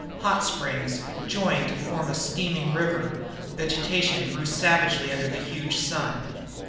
Hot springs joined to form a steaming river. Vegetation grew savagely under the huge sun.